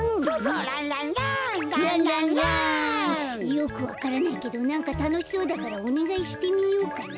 よくわからないけどなんかたのしそうだからおねがいしてみようかな。